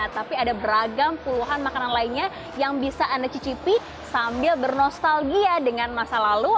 tapi ada beragam puluhan makanan lainnya yang bisa anda cicipi sambil bernostalgia dengan masa lalu